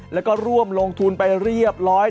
แล้วก็ร่วมลงทุนไปเรียบร้อย